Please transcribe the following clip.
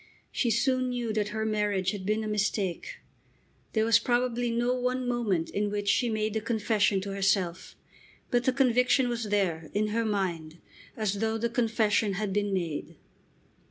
She soon knew that her marriage had been a mistake. There was probably no one moment in which she made the confession to herself. But the conviction was there, in her mind, as though the confession had been made.